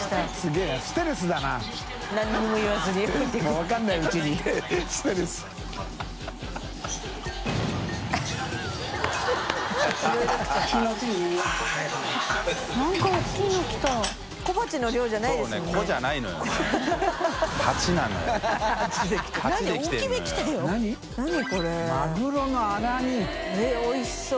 えっおいしそう。